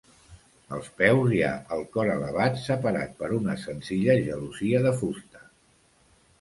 Als peus, hi ha el cor elevat separat per una senzilla gelosia de fusta.